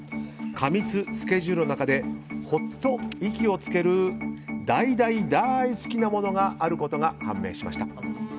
過密スケジュールの中でほっと息をつける大大大好きなものがあることが判明しました。